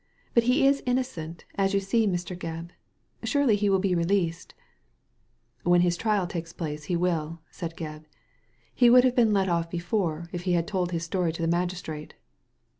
But he is innocent, as you see, Mr. Gebb. Surely he will be released.*' When his trial takes place he will, said Gebb. He would have been let off before if he had told this story to the magistrate.